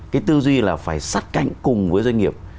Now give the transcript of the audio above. cái tư duy là phải sắt canh cùng với doanh nghiệp